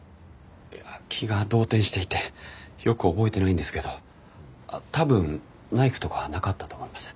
いや気が動転していてよく覚えてないんですけど多分ナイフとかはなかったと思います。